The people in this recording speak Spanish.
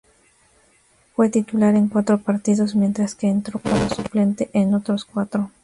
Fue titular en cuatro partidos mientras que entró como suplente en otros cuatro.